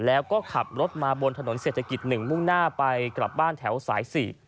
แล้วก็ขับรถมาบนถนนเศรษฐกิจ๑มุ่งหน้าไปกลับบ้านแถวสาย๔